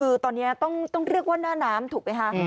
คือตอนนี้ต้องเรียกว่าหน้าน้ำถูกไหมคะ